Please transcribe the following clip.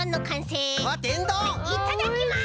いただきます！